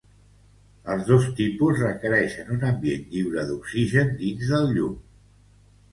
Els dos tipus requerixen un ambient lliure d'oxigen dins del llum.